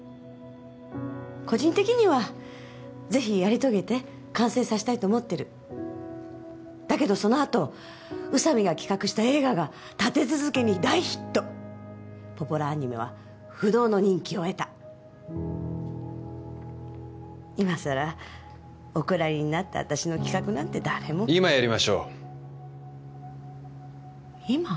個人的にはぜひやり遂げて完成させたいと思ってるだけどそのあと宇佐美が企画した映画が立て続けに大ヒットポポラアニメは不動の人気を得た今さらお蔵入りになった私の企画なんて誰も今やりましょう今？